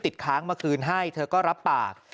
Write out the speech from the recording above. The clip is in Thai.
ค้างมาคืนให้เธอก็รับปาก